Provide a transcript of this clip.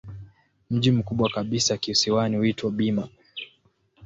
Mji mkubwa kabisa kisiwani huitwa Bima.